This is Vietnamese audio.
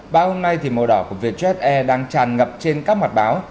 báo hôm nay thì màu đỏ của vietjet air đang tràn ngập trên các mặt báo